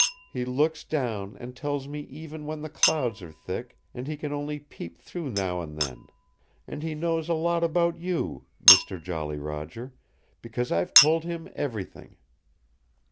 "He looks down and tells me even when the clouds are thick and he can only peep through now and then. And he knows a lot about you, Mister Jolly Roger because I've told him everything."